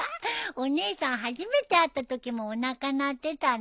お姉さん初めて会ったときもおなか鳴ってたね。